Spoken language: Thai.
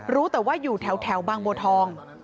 รู้แต่ว่าอยู่แถวบางบัวทอง